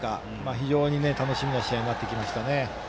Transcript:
非常に楽しみな試合になってきました。